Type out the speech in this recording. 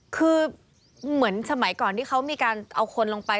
คือเหมือนสมัยก่อนที่เขามีการเอาคนลงไป